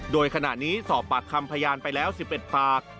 โดยขณะนี้สอบปากคำพยานไปแล้ว๑๑ปาก